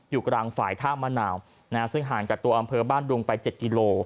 อยู่กลางฝ่ายท่ามะนาวซึ่งห่างจากตัวอำเภอบ้านดุงไป๗กิโล